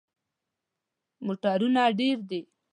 موټرونه ډیر دي